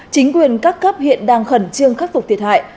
chính quyền các cấp hiện đang khẩn trương khắc phục thiệt hại